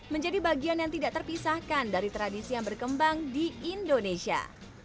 menjadi bagian yang tidak terpisahkan dari tradisi yang berkembang di indonesia